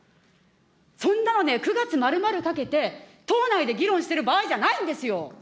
そんなのね、９月丸々かけて、党内で議論してる場合じゃないんですよ。